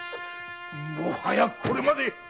もはやこれまで。